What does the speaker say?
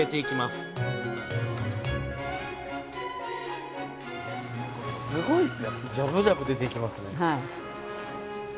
すごいっすね。